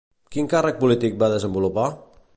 Quin càrrec polític va desenvolupar?